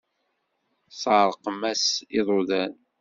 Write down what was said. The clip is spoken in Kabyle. Seṛqem-as iḍudan.